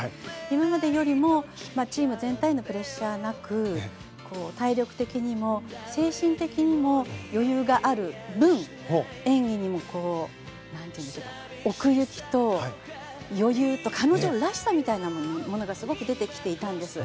今までよりもチーム全体のプレッシャーなく体力的にも精神的にも余裕がある分演技にも、奥行きと余裕と彼女らしさみたいなものがすごく出てきていたんです。